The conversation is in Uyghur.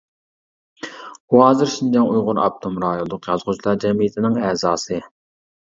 ئۇ ھازىر شىنجاڭ ئۇيغۇر ئاپتونوم رايونلۇق يازغۇچىلار جەمئىيىتىنىڭ ئەزاسى.